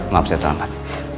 maaf saya terlambat